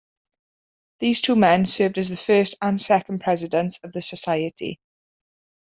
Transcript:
These two men served as the first and second Presidents of the Society.